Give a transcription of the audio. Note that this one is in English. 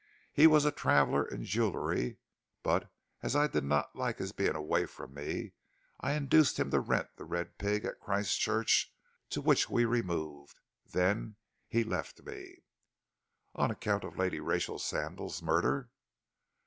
He was a traveller in jewellery, but as I did not like his being away from me, I induced him to rent 'The Red Pig' at Christchurch, to which we removed. Then he left me " "On account of Lady Rachel Sandal's murder?"